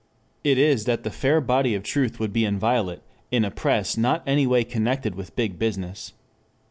It is that the fair body of truth would be inviolate in a press not in any way connected with Big Business.